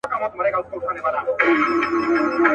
دا د زړه ورو مورچل مه ورانوی.